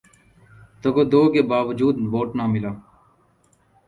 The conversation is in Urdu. تگ و دو کے باوجود ووٹ نہ ملے